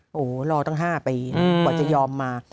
โอ้โหรอตั้ง๕ปีกว่าจะยอมมา